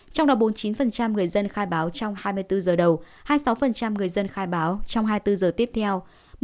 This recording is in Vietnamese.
trong đó bốn mươi chín người dân khai báo trong hai mươi bốn giờ đầu hai mươi sáu người dân khai báo trong hai mươi bốn giờ tiếp theo